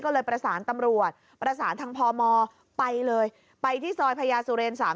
ก็เลยประสานตำรวจประสานทางพมไปเลยไปที่ซอยพญาสุเรนสาม